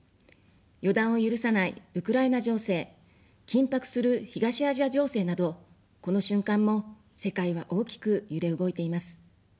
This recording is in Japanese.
予断を許さないウクライナ情勢、緊迫する東アジア情勢など、この瞬間も世界は大きく揺れ動いています。